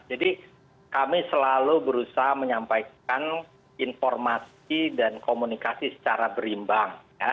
jadi kami selalu berusaha menyampaikan informasi dan komunikasi secara berimbang